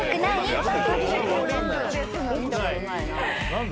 何だ？